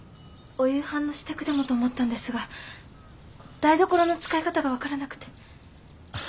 お夕飯の支度でもと思ったんですが台所の使い方が分からなくて。